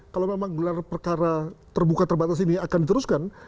kalau memang gelar perkara terbuka terbatas ini akan diteruskan